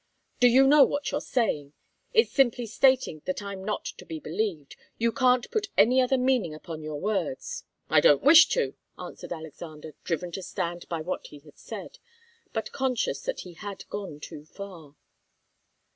"Do you know what you're saying? It's simply stating that I'm not to be believed. You can't put any other meaning upon your words." "I don't wish to," answered Alexander, driven to stand by what he had said, but conscious that he had gone too far.